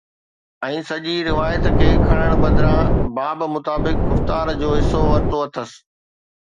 ۽ سڄي روايت کي کڻڻ بدران باب مطابق گفتار جو حصو ورتو اٿس